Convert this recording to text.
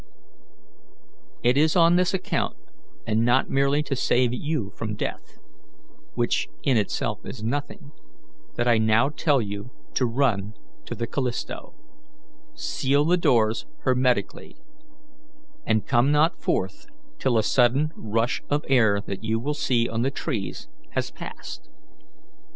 It is on this account, and not merely to save you from death, which in itself is nothing, that I now tell you to run to the Callisto, seal the doors hermetically, and come not forth till a sudden rush of air that you will see on the trees has passed.